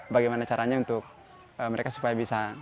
bagaimana caranya untuk mereka supaya bisa